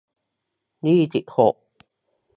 ยี่สิบหก